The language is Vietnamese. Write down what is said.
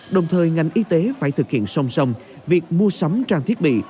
đồng thời ngành y tế phải thực hiện song song việc mua sắm trang thiết bị